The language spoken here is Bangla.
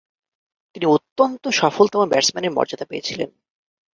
তিনি অত্যন্ত সফলতম ব্যাটসম্যানের মর্যাদা পেয়েছিলেন।